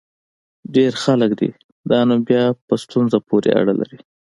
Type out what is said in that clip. ډېر خلک دي؟ دا نو بیا په ستونزه پورې اړه لري.